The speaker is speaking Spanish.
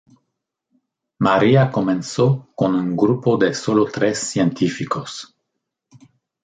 María comenzó con un grupo de sólo tres científicos.